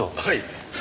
はい。